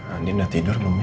andi udah tidur belum ya